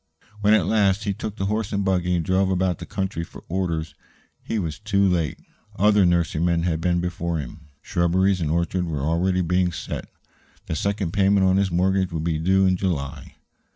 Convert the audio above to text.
When, at last, he took the horse and buggy and drove about the country for orders, he was too late. Other nurserymen had been before him; shrubberies and orchards were already being set out. The second payment on his mortgage would be due in July.